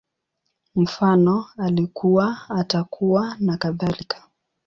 Mfano, Alikuwa, Atakuwa, nakadhalika